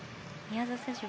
宮澤選手